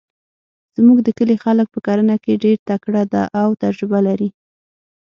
زموږ د کلي خلک په کرنه کې ډیرتکړه ده او تجربه لري